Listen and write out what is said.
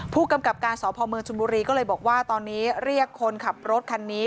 ผู้กำกับการสพเมืองชนบุรีก็เลยบอกว่าตอนนี้เรียกคนขับรถคันนี้